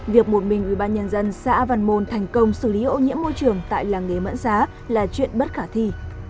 việc một mình ubnd xã văn môn thành công xử lý ô nhiễm môi trường tại làng nghề mẫn xá là chuyện bất khả thi